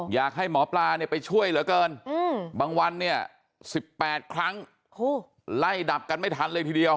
อยากให้หมอปลาเนี่ยไปช่วยเหลือเกินบางวันเนี่ย๑๘ครั้งไล่ดับกันไม่ทันเลยทีเดียว